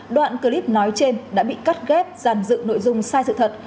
đoạn clip nói trên đã bị cắt ghép giàn dựng nội dung sai sự thật